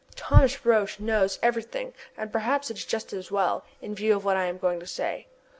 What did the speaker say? Thomas Roch knows everything, and perhaps it is just as well, in view of what I am going to say.